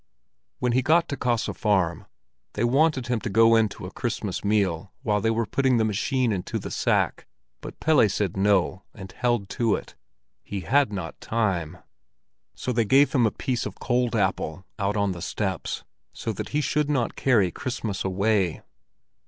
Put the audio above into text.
When he got to Kaase Farm, they wanted him to go in to a Christmas meal while they were putting the machine into the sack; but Pelle said "No" and held to it: he had not time. So they gave him a piece of cold apple out on the steps, so that he should not carry Christmas away.